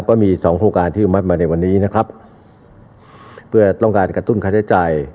ก็มีสองโครงการที่อนุมัติมาในวันนี้นะครับเพื่อต้องการกระตุ้นค่าใช้จ่าย